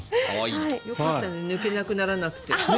よかったよ抜けなくならなくて。